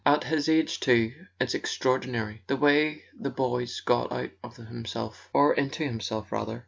"At his age too; it's extraordinary, the way the boy's got out of himself." "Or into himself, rather.